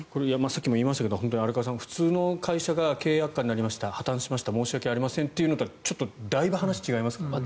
さっきも言いましたが荒川さん、普通の会社が経営悪化になりました破たんしました申し訳ありませんというのとはだいぶ話が違いますからね。